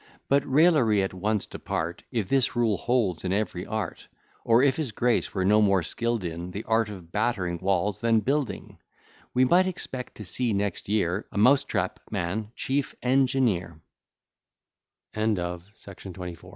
But raillery at once apart, If this rule holds in every art; Or if his grace were no more skill'd in The art of battering walls than building, We might expect to see next year A mouse trap man chief engineer. [Footnote 1: See ante, p. 51, "The Reverse."